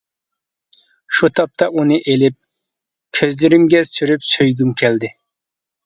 شۇ تاپتا ئۇنى ئېلىپ كۆزلىرىمگە سۈرۈپ سۆيگۈم كەلدى.